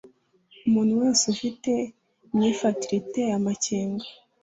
umuntu wese ufite imyifatire iteye amakenga